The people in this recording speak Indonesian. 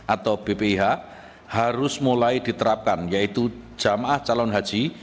atau bpih harus mulai diterapkan yaitu jamaah calon haji